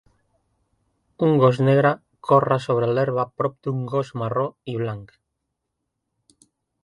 Un gos negre corre sobre l'herba prop d'un gos marró i blanc.